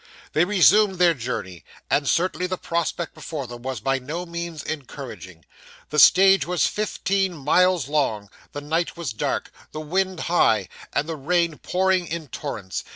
They resumed their journey; and certainly the prospect before them was by no means encouraging. The stage was fifteen miles long, the night was dark, the wind high, and the rain pouring in torrents.